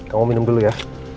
kamu minum dulu ya